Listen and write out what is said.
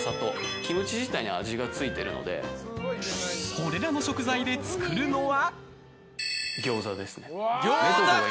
これらの食材で作るのは。